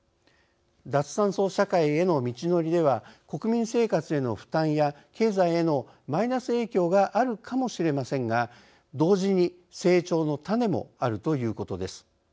脱炭素社会への道のりでは国民生活への負担や経済へのマイナス影響があるかもしれませんが同時に成長の種もあるということです。